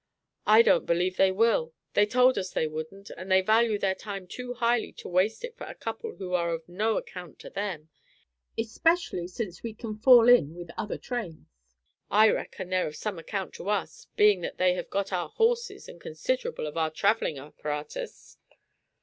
"I don't believe they will. They told us they wouldn't and they value their time too highly to waste it for a couple who are of no account to them, especially since we can fall in with other trains." "I reckon they're of some account to us, being they have got both our horses and considerable of our traveling apparatus."